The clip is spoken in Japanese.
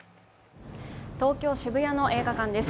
東京・渋谷の映画館です。